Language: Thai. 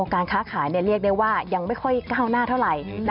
การค้าขายเรียกได้ว่ายังไม่ค่อยก้าวหน้าเท่าไหร่